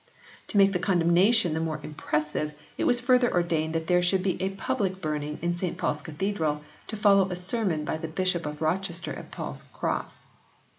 To make the condemnation the more impressive it was further ordered that there should be a public burning in St Paul s Cathedral to follow a sermon by the Bishop of Rochester at Paul s Cross.